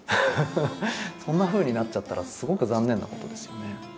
そんなふうになっちゃったらすごく残念なことですよね。